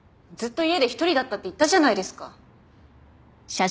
ずっと家で一人だったって言ったじゃないですか。